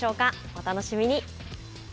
お楽しみに。